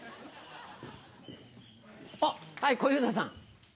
あっはい小遊三さん。